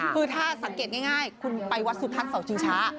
คือถ้าสังเกตง่ายคุณไปวัดสุทัศน์เสาชิงช้า